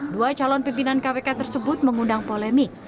dua calon pimpinan kpk tersebut mengundang polemik